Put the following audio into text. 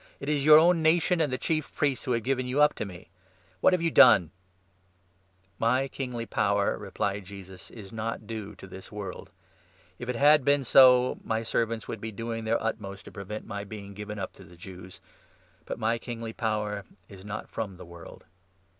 " It is 35 your own nation and the Chief Priests who have given you up to me. What have you done ?" "My kingly power," replied Jesus, "is not due to this 36 world. If it had been so, my servants would be doing their utmost to prevent my being given up to the Jews ; but my kingly power is not from the world."